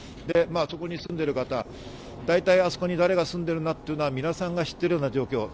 そこに住んでいる方、だいたいそこに誰が住んでいるなというのを皆さんが知っている状況。